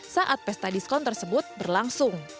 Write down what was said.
saat pesta diskon tersebut berlangsung